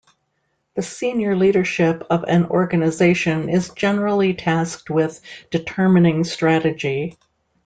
The senior leadership of an organization is generally tasked with determining strategy.